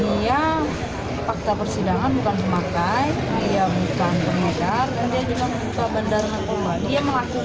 dia melakukannya hanya untuk mengobati istrinya